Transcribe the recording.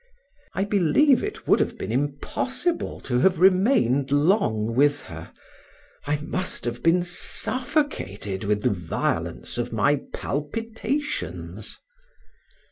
I believe it would have been impossible to have remained long with her; I must have been suffocated with the violence of my palpitations.